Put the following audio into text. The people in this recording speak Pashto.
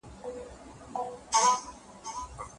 الله تعالی د قرآن کريم اياتونه په څرګنده توګه بيان کړي دي.